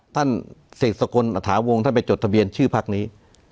ท่านเศษกลอถาวงศ์ท่านไปจดทะเบียนชื่อภักร์นี้